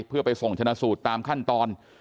เพื่อไปส่งชนะสูตรตามขั้นตอน